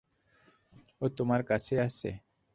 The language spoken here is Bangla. ও তোমার কাছেই আছে?